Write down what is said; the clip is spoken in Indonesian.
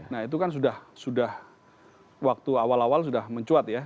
nah itu kan sudah waktu awal awal sudah mencuat ya